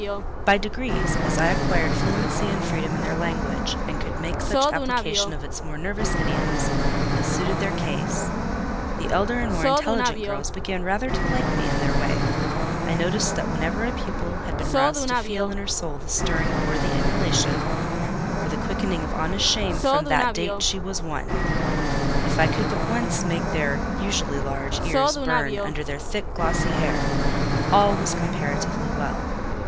By degrees, as I acquired fluency and freedom in their language, and could make such application of its more nervous idioms as suited their case, the elder and more intelligent girls began rather to like me in their way: I noticed that whenever a pupil had been roused to feel in her soul the stirring of worthy emulation, or the quickening of honest shame, from that date she was won. If I could but once make their (usually large) ears burn under their thick glossy hair, all was comparatively well.